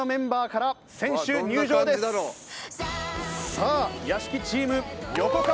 さあ屋敷チーム横川